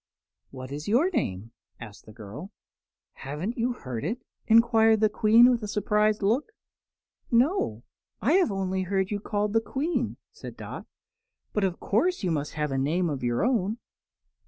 "What is your name?" asked the girl. "Haven't you heard it?" enquired the Queen, with a surprised look. "No; I have only heard you called the Queen," said Dot; "but, of course, you must have a name of your own."